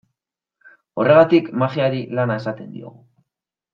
Horregatik, magiari lana esaten diogu.